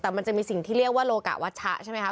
แต่มันจะมีสิ่งที่เรียกว่าโลกะวัชชะใช่ไหมคะ